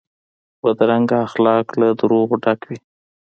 بدرنګه اخلاق له دروغو ډک وي